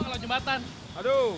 masuklah ke jatinegara